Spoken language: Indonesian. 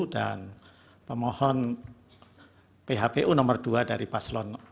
dan pemohon phpu nomor dua dari paslon tiga